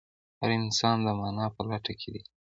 هر انسان د مانا په لټه کې دی.